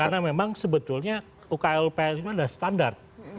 karena memang sebetulnya ukl upl itu adalah standar